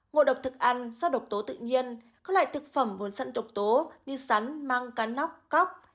ngô độc thực ăn do độc tố tự nhiên các loại thực phẩm vốn sẵn độc tố như sắn măng cá nóc cóc